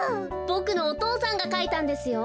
ボクのお父さんがかいたんですよ。